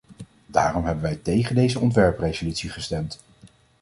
Daarom hebben wij tegen deze ontwerpresolutie gestemd.